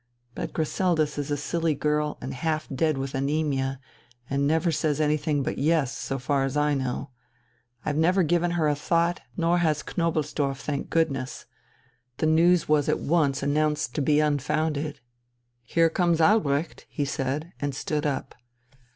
But Griseldis is a silly girl, and half dead with anæmia, and never says anything but 'yes,' so far as I know. I've never given her a thought, nor has Knobelsdorff, thank goodness. The news was at once announced to be unfounded.... Here comes Albrecht!" he said, and stood up.